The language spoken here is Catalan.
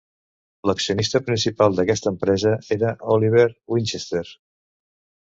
L'accionista principal d'aquesta empresa era Oliver Winchester.